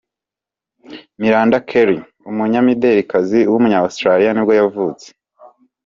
Miranda Kerr, umunyamidelikazi w’umunya-Australia nibwo yavutse.